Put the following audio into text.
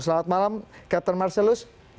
selamat malam kapten marcelus